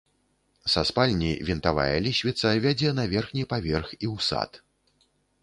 Са спальні вінтавая лесвіца вядзе на верхні паверх і ў сад.